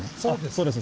そうです。